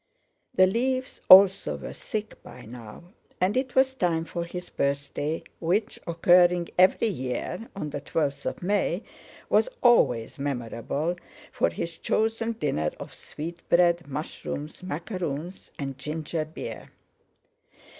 The leaves also were thick by now, and it was time for his birthday, which, occurring every year on the twelfth of May, was always memorable for his chosen dinner of sweetbread, mushrooms, macaroons, and ginger beer.